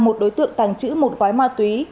một đối tượng tàng trữ một quái ma túy